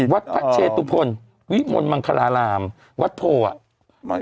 วัดพระเชตุพลวิมนต์มังคาราหลามวัดโภอ่ะ